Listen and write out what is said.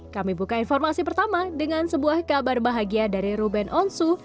kami buka informasi pertama dengan sebuah kabar bahagia dari ruben onsu